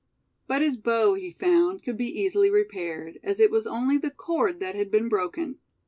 But his bow, he found, could be easily repaired, as it was only the cord that had been broken.